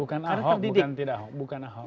bukan ahok bukan tidak bukan ahok